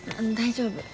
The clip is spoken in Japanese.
大丈夫。